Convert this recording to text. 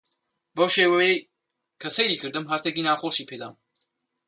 بەو شێوەیەی کە سەیری کردم هەستێکی ناخۆشی پێ دام.